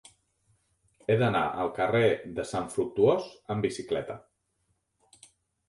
He d'anar al carrer de Sant Fructuós amb bicicleta.